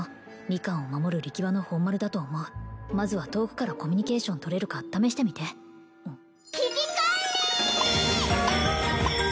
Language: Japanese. ミカンを守る力場の本丸だと思うまずは遠くからコミュニケーション取れるか試してみて危機管理！